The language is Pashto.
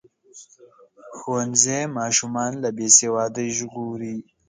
ښوونځی ماشومان له بې سوادۍ ژغوري.